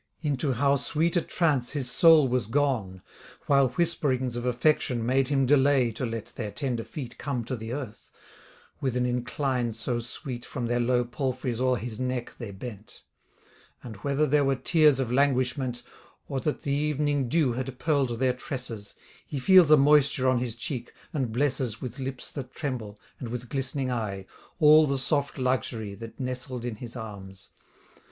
Into how sweet a trance his soul was gone, While whisperings of affection Made him delay to let their tender feet Come to the earth; with an incline so sweet From their low palfreys o'er his neck they bent: And whether there were tears of languishment, Or that the evening dew had pearl'd their tresses, He feels a moisture on his cheek, and blesses With lips that tremble, and with glistening eye All the soft luxury That nestled in his arms.